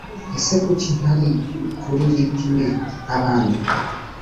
ese kuki ntari kuri ritime nkabandi